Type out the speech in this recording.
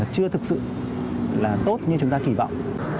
chưa thực sự tốt như chúng ta kỳ vọng